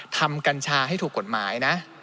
ทำกัญชาให้ถูกกฎหมาย